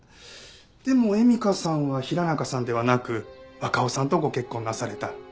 でも恵美香さんは平中さんではなく若尾さんとご結婚なされた。